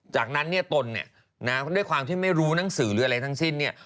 จากนั้นตนด้วยความที่ไม่รู้หนังสือหรืออะไรทั้งสิ้น